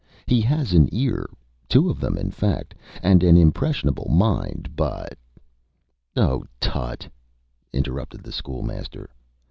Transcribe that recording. He has an ear two of them, in fact and an impressionable mind, but " "Oh, tutt!" interrupted the School Master.